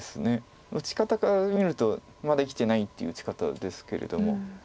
打ち方から見るとまだ生きてないという打ち方ですけれども。